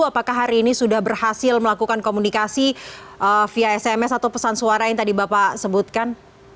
apakah hari ini sudah berhasil melakukan komunikasi via sms atau pesan suara yang tadi bapak sebutkan